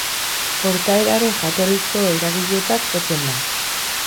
Portaeraren jatorrizko eragiletzat jotzen da.